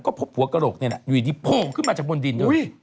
ก็พบหัวกระโหลกนี่แหละอยู่ดีโผล่ขึ้นมาจากบนดินด้วย